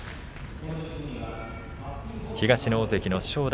東の大関の正代